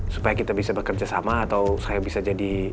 supaya kita bisa bekerjasama atau saya bisa jadi